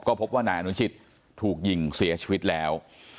พบว่านายอนุชิตถูกยิงเสียชีวิตแล้ว